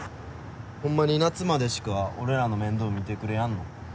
ほんまに夏までしか俺らの面倒見てくれやんの？